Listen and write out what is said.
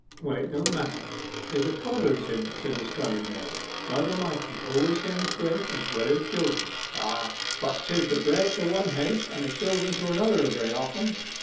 'Well, it don't matter; there's a Providence in it,' said the scullery maid. 'God A'mighty always sends bread as well as children.' 'But 'tis the bread to one house and the children to another very often.